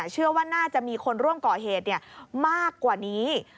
เชื่อว่าน่าจะมีคนร่วมก่อเหตุมากกว่านี้